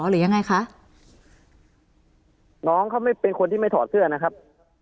หรือยังไงคะน้องเขาไม่เป็นคนที่ไม่ถอดเสื้อนะครับ